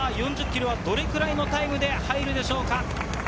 ４０ｋｍはどれぐらいのタイムで入るでしょうか。